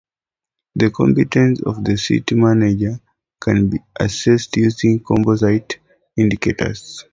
The competence of a city manager can be assessed using composite indicators.